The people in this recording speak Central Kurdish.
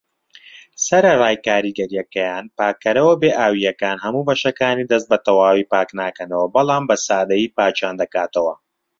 سەرەڕای کاریگەریەکەیان، پاکەرەوە بێ ئاویەکان هەموو بەشەکانی دەست بەتەواوی پاکناکەنەوە بەڵام بەسادەیی پاکیان دەکاتەوە.